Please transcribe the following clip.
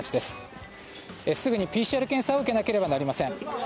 すぐにＰＣＲ検査を受けなければなりません。